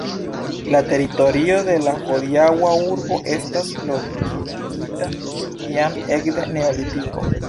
La teritorio de la hodiaŭa urbo estas loĝigita jam ekde neolitiko.